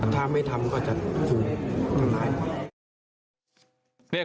ถ้าไม่ทำก็จะถูกทำร้าย